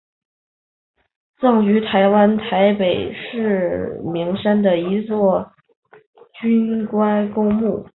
葬于台湾台北市阳明山第一将级军官公墓